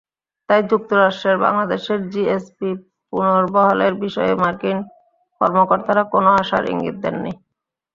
তাই যুক্তরাষ্ট্রের বাংলাদেশের জিএসপি পুনর্বহালের বিষয়ে মার্কিন কর্মকর্তারা কোনো আশার ইঙ্গিত দেননি।